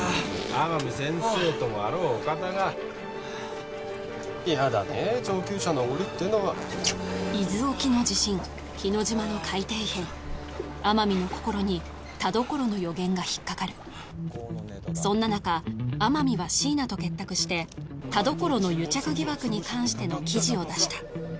天海先生ともあろうお方がいやだねえ上級者のおごりっていうのは伊豆沖の地震日之島の海底異変天海の心に田所の予言が引っ掛かるそんな中天海は椎名と結託して田所の癒着疑惑に関しての記事を出した